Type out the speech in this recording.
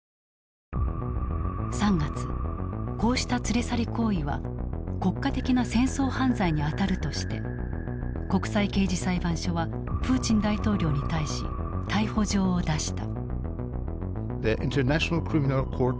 ３月こうした連れ去り行為は国家的な戦争犯罪にあたるとして国際刑事裁判所はプーチン大統領に対し逮捕状を出した。